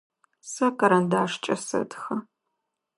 Сэ карандашкӏэ сэтхэ.